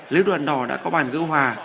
lưu đoàn đỏ đã có bàn gỡ hòa